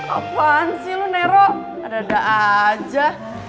apaan sih lo nero adada aja